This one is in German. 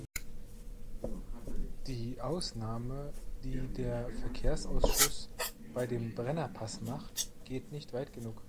Die Ausnahme, die der Verkehrsausschuss bei dem Brennerpass macht, geht nicht weit genug.